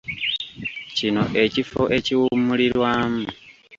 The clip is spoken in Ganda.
Kino ekifo ekiwummulirwamu.